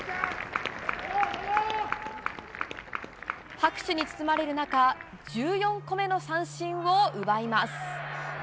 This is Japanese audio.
拍手に包まれる中１４個目の三振を奪います。